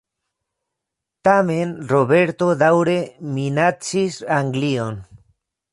Tamen Roberto daŭre minacis Anglion.